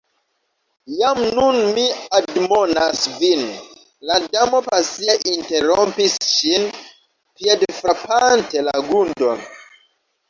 "Jam nun mi admonas vin," la Damo pasie interrompis ŝin, piedfrapante la grundon